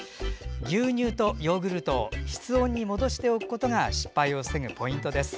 牛乳とヨーグルトを室温に戻しておくことが失敗を防ぐポイントです。